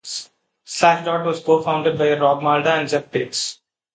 Slashdot was co-founded by Rob Malda and Jeff Bates.